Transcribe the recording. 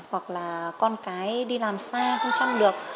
hoặc là con cái đi làm xa không chăm được